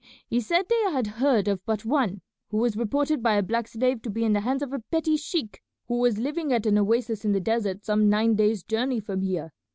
He said they had heard of but one, who was reported by a black slave to be in the hands of a petty sheik who was living at an oasis in the desert some nine days' journey from here.